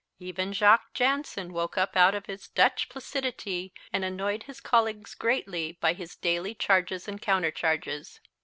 Even Jacques Jansen woke up out of his Dutch placidity and annoyed his colleagues greatly by his daily charges and countercharges.